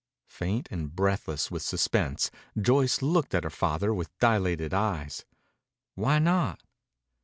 Faint and breathless with suspense, Joyce looked at her father with dilated eyes. "Why not?"